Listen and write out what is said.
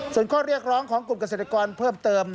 ส่วนข้อเรียกร้องของกลุ่มเกษตรกรเพิ่มเติม